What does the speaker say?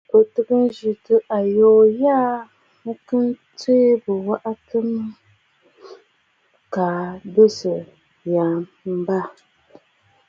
Ò tɨ ghɨ̀rə̀ ayoo ya ò tsee kɨ waʼatə mə kaa bɨ sɨ yə mbâ.